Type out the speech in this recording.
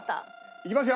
いきますよ。